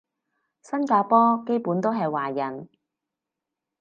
新加坡基本都係華人